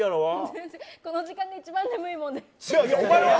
全然、この時間が一番眠いもんで。